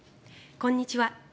こんにちは。